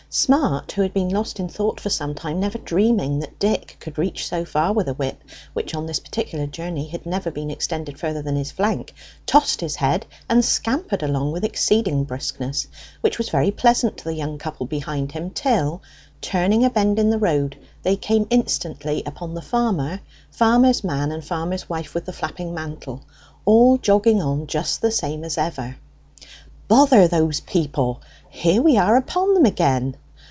Smart, who had been lost in thought for some time, never dreaming that Dick could reach so far with a whip which, on this particular journey, had never been extended further than his flank, tossed his head, and scampered along with exceeding briskness, which was very pleasant to the young couple behind him till, turning a bend in the road, they came instantly upon the farmer, farmer's man, and farmer's wife with the flapping mantle, all jogging on just the same as ever. "Bother those people! Here we are upon them again."